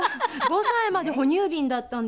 ５歳まで哺乳瓶だったんですよ。